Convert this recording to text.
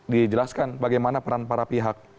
dijelaskan bagaimana peran para pihak